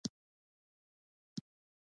د کار قوانین د کارګرانو په ګټه اصلاح شول.